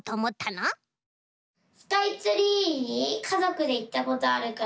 スカイツリーにかぞくでいったことあるから。